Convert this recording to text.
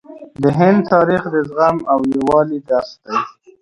د هند تاریخ د زغم او یووالي درس دی.